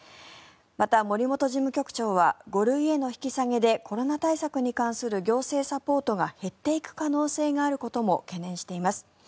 また、森本事務局長は５類への引き下げでコロナ対策に関する行政サポートが減っていく可能性があることも懸念しています。